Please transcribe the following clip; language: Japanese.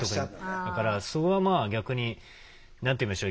だからそれはまあ何て言いましょう。